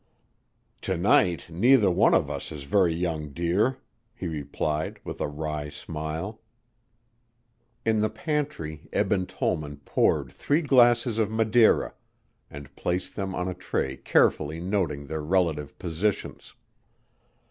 "To night neither one of us is very young, dear," he replied with a wry smile. In the pantry Eben Tollman poured three glasses of Madeira, and placed them on a tray carefully noting their relative positions.